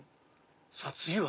さぁ次は？